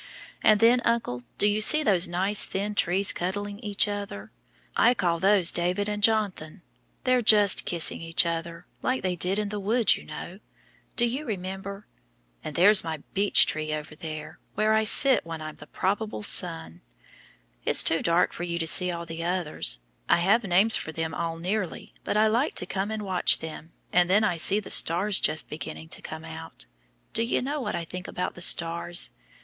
And then, uncle, do you see those nice thin trees cuddling each other? I call those David and Jon'than; they're just kissing each other, like they did in the wood, you know. Do you remember? And there's my beech tree over there, where I sit when I'm the probable son. It's too dark for you to see all the others. I have names for them all nearly, but I like to come and watch them, and then I see the stars just beginning to come out. Do you know what I think about the stars?